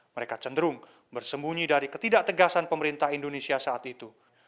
mereka cenderung bersembunyi dari ketidak tegasan pemerintah indonesia saat itu